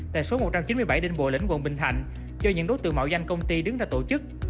tại số một trăm chín mươi bảy đinh bộ lĩnh quận bình thạnh do những đối tượng mạo danh công ty đứng ra tổ chức